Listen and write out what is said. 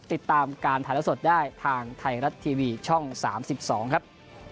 ติดตามการถ่ายละสดได้ทางไทยรัฐทีวีช่อง๓๒ครับ